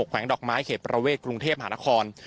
แวงดอกไม้เขตประเวทกรุงเทพมหานคร